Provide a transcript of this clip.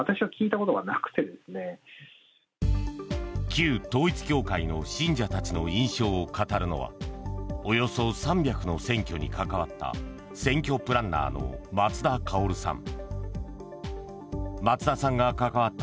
旧統一教会の信者たちの印象を語るのはおよそ３００の選挙に関わった選挙プランナーの松田馨さん。